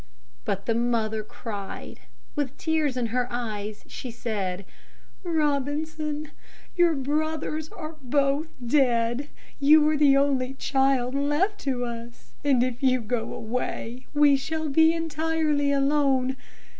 But the mother cried. With tears in her eyes, she said: "Robinson, your brothers are both dead. You are the only child left to us and if you go away, we shall be entirely alone.